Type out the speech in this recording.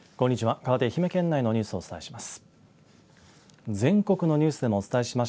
かわって愛媛県内のニュースをお伝えします。